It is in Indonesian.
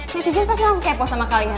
netizen pasti langsung kepo sama kalian